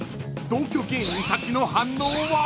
同居芸人たちの反応は？］